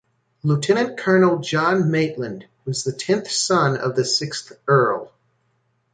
Lieutenant-Colonel John Maitland was the tenth son of the sixth Earl.